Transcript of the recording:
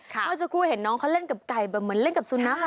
เมื่อสักครู่เห็นน้องเขาเล่นกับไก่แบบเหมือนเล่นกับสุนัข